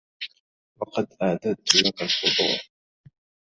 لقد أعددت لك الفطور